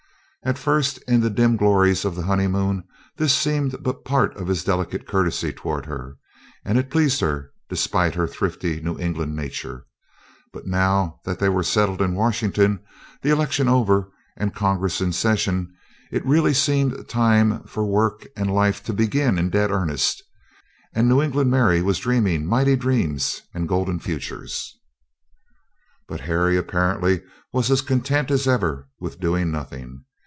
At first, in the dim glories of the honeymoon, this seemed but part of his delicate courtesy toward her, and it pleased her despite her thrifty New England nature; but now that they were settled in Washington, the election over and Congress in session, it really seemed time for Work and Life to begin in dead earnest, and New England Mary was dreaming mighty dreams and golden futures. But Harry apparently was as content as ever with doing nothing.